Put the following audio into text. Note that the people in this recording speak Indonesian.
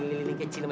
tapi ke lama